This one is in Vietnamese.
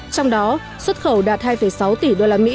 trong đó xuất khẩu đạt hai sáu tỷ usd